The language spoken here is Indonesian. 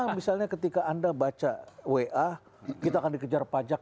karena misalnya ketika anda baca wa kita akan dikejar pajak